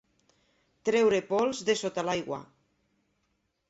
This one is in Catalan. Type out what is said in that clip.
Treure pols de sota l'aigua.